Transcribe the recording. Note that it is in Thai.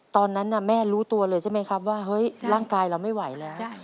ตอนนั้นแม่รู้ตัวเลยใช่ไหมครับว่าเฮ้ยร่างกายเราไม่ไหวแล้ว